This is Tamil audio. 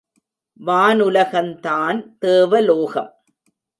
வானுலகந் தான் தேவலோகம்.